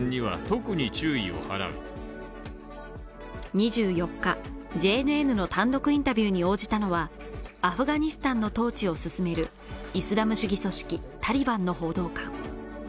２４日、ＪＮＮの単独インタビューに応じたのは、アフガニスタンの統治を進めるイスラム主義組織タリバンの報道官。